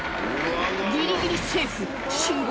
ギリギリセーフ信号